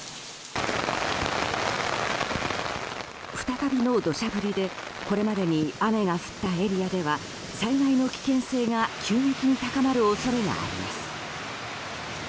再びの土砂降りでこれまでに雨が降ったエリアでは災害の危険性が急激に高まる恐れがあります。